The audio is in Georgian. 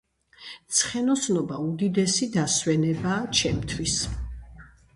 ცხენოსნობა უდიდესი დასვენებაა ჩემთვის.